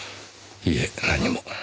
いえ何も。